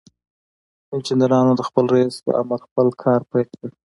انجنيرانو د خپل رئيس په امر خپل کار پيل کړ.